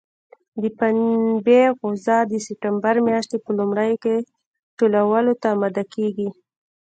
د پنبې غوزه د سپټمبر میاشتې په لومړیو کې ټولولو ته اماده کېږي.